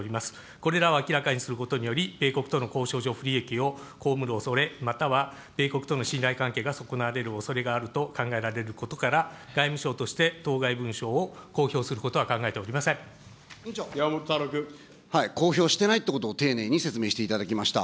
これらを明らかにすることにより、米国との交渉上、不利益を被るおそれ、または米国との信頼関係が損なわれるおそれがあると考えられることから、外務省として、当該文書を公表することは考えてお山本太郎君。公表してないってことを丁寧に説明していただきました。